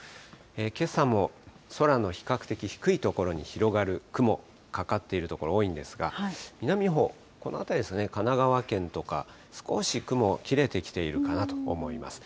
けさも空の比較的低い所に広がる雲、かかっている所、多いんですが、南のほう、この辺りですね、神奈川県とか、少し雲、切れてきているかなと思います。